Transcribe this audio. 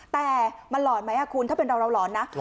แต่มันหลอนไหมคุณถ้าเป็นเราเราหลอนนะ